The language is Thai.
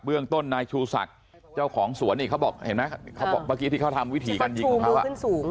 เรื่องต้นนายชูศักดิ์เจ้าของสวนนี่เขาบอกเห็นไหมเขาบอกเมื่อกี้ที่เขาทำวิถีการยิงของเขาขึ้นสูง